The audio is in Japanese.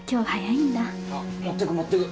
持ってく持ってく。